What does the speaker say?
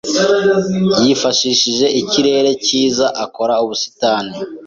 Yifashishije ikirere cyiza akora ubusitani.